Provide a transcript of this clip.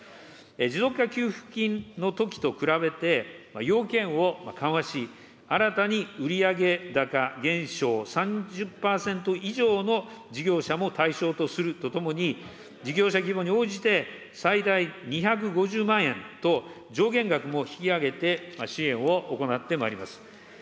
持続化給付金のときと比べて、要件を緩和し、新たに売上高減少３０％以上の事業者も対象とするとともに、事業者規模に応じて、最大２５０万円と、上限額も引き上げて支援を行ってまいります。